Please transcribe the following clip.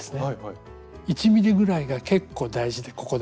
１ｍｍぐらいが結構大事でここでは。